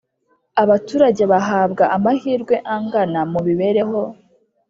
abaturage bahabwa amahirwe angana mu mibereho